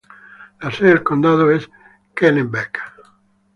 La sede del condado es Kennebec.